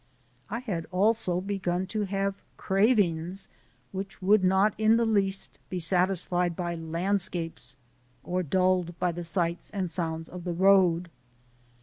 I had also begun to have cravings which would not in the least be satisfied by landscapes or dulled by the sights and sounds of the road.